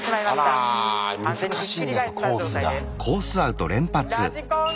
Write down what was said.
あら難しいねコースが。